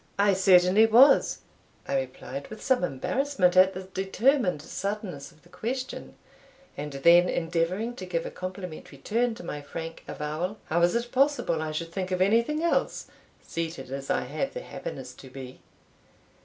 "I certainly was," I replied, with some embarrassment at the determined suddenness of the question, and then, endeavouring to give a complimentary turn to my frank avowal "How is it possible I should think of anything else, seated as I have the happiness to be?"